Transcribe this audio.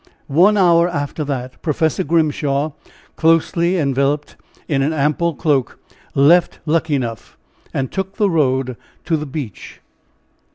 One hour after that, Professor Grimshaw, closely enveloped in an ample cloak, left Luckenough, and took the road to the beach.